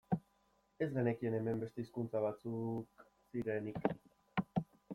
Ez genekien hemen beste hizkuntza batzuk zirenik.